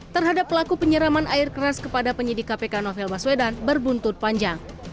terhadap pelaku penyeraman air keras kepada penyidik kpk novel baswedan berbuntut panjang